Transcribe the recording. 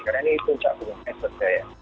karena ini puncak penguasaan ya